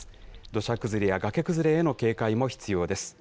土砂崩れや崖崩れへの警戒も必要です。